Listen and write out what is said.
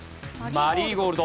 マリーゴールド。